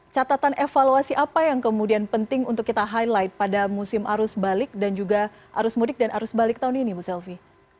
catatan evaluasi apa yang kemudian penting untuk kita highlight pada musim arus mudik dan arus balik tahun ini ibu selvi